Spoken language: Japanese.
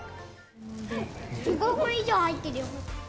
１５本以上入ってるよ。